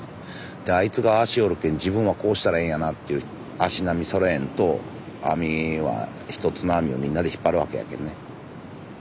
であいつがああしよるけん自分はこうしたらええんやなっていう足並みそろえんと網は１つの網をみんなで引っ張るわけやけんね。